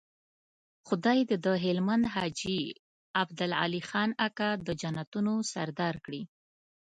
خدای دې د هلمند حاجي عبدالعلي خان اکا د جنتونو سردار کړي.